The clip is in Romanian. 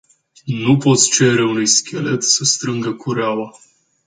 Nu poți cere unui schelet să strângă cureaua.